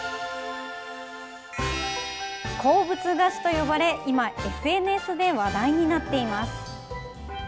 鉱物菓子と呼ばれ今ＳＮＳで話題になっています。